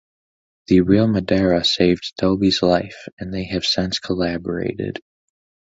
The real Madara saved Tobi's life, and they have since collaborated.